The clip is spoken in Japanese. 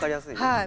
はい。